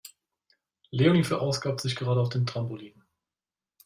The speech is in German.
Leonie verausgabt sich gerade auf dem Trampolin.